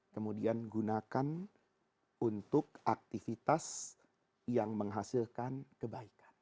kemudian gunakan untuk aktivitas yang menghasilkan kebaikan